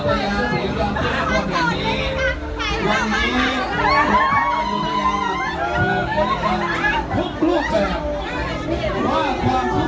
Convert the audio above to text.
มาร่วมสมบัติมาร่วมที่ผ่านไปก่อนมา